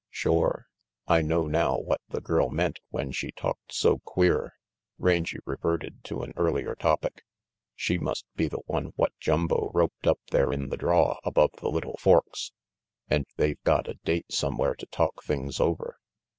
"Shore, I know now what the girl meant when she talked so queer," Rangy reverted to an earlier topic. "She must be the one what Jumbo roped up there in the draw above the Little Forks, and they've got a date somewhere to talk things over.